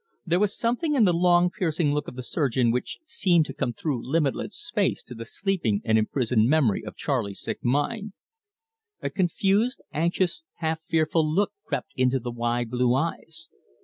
There was something in the long, piercing look of the surgeon which seemed to come through limitless space to the sleeping and imprisoned memory of Charley's sick mind. A confused, anxious, half fearful look crept into the wide blue eyes.